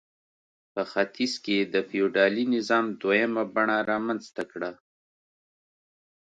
په ختیځ کې یې د فیوډالي نظام دویمه بڼه رامنځته کړه.